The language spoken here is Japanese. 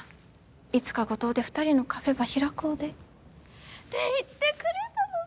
いつか五島で２人のカフェば開こうで」って言ってくれたとさ。